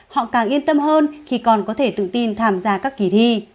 họ càng yên tâm hơn khi con có thể tự tin tham gia các kỳ thi